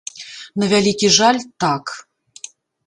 На вялікі жаль, так.